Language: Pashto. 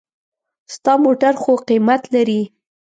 ستا موټر خو قېمت لري.